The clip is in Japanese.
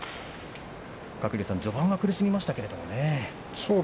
鶴竜さん、序盤は苦しみましたけれどもね。